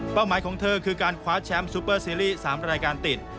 หมายของเธอคือการคว้าแชมป์ซูเปอร์ซีรีส์๓รายการติด